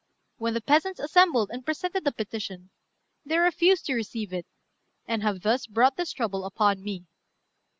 When the peasants assembled and presented a petition, they refused to receive it, and have thus brought this trouble upon me.